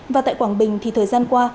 và tại quảng bình thì thời gian qua